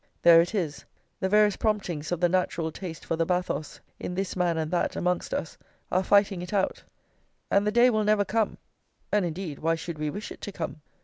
There it is; the various promptings of the natural taste for the bathos in this man and that amongst us are fighting it out; and the day will never come (and, indeed, why should we wish it to come?)